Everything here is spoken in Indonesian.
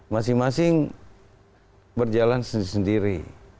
masing masing berjalan sendiri sendiri